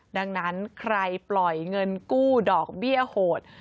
ดังนั้นใครปล่อยเงินกู้ดอกเบี้ยโหด